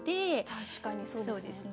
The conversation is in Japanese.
確かにそうですね。